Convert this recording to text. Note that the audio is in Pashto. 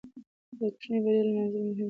د کوچنۍ بریا لمانځل مهم دي.